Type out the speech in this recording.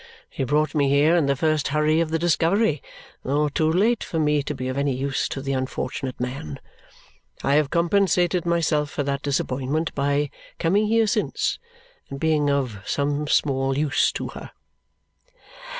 She brought me here in the first hurry of the discovery, though too late for me to be of any use to the unfortunate man. I have compensated myself for that disappointment by coming here since and being of some small use to her."